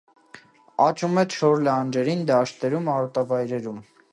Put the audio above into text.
Աճում է չոր լանջերին, դաշտերում, արոտավայրերում։